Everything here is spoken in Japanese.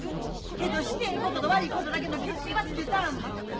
けどしてええことと悪いことだけのけじめはつけたあんねん。